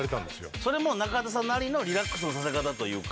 それも中畑さんなりのリラックスのさせ方というか。